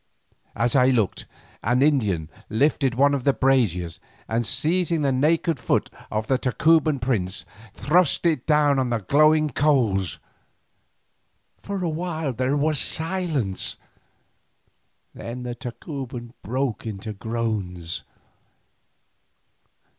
As I looked, an Indian lifted one of the braziers and seizing the naked foot of the Tacuban prince, thrust it down upon the glowing coals. For a while there was silence, then the Tacuban broke into groans.